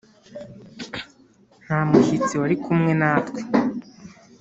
Nta mushyitsi wari kumwe natwe